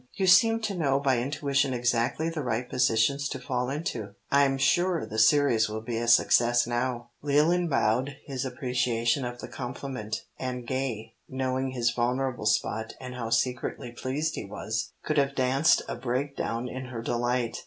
You seem to know by intuition exactly the right positions to fall into. I'm sure the series will be a success now." Leland bowed his appreciation of the compliment, and Gay, knowing his vulnerable spot and how secretly pleased he was, could have danced a breakdown in her delight.